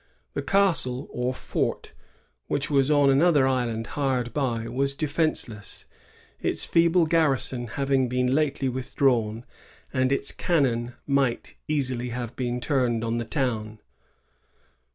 "^ The castle, or fort, which was on another island hard by, was defenceless, its feeble garrison having been lately withdrawn, and its cannon might easily have been turned on the town.